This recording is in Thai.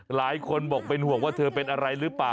หลายคนบอกเป็นห่วงว่าเธอเป็นอะไรหรือเปล่า